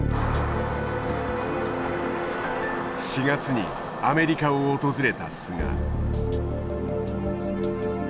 ４月にアメリカを訪れた菅。